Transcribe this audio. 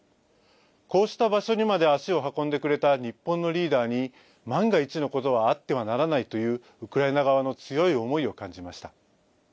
こうした場所にまで足を運んでくれた日本のリーダーに、万が一のことはあってはならないという、ウクライナ側の強い思いを感じました。